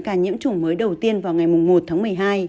ca nhiễm chủng mới đầu tiên vào ngày một tháng một mươi hai